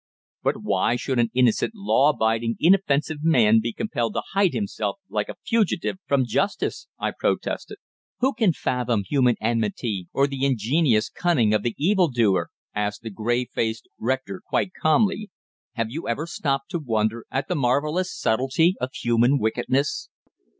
"But why should an innocent, law abiding, inoffensive man be compelled to hide himself like a fugitive from justice?" I protested. "Who can fathom human enmity, or the ingenious cunning of the evil doer?" asked the grey faced rector quite calmly. "Have you never stopped to wonder at the marvellous subtlety of human wickedness?"